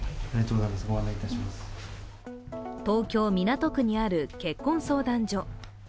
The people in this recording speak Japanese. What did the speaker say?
東京・港区にある結婚相談所。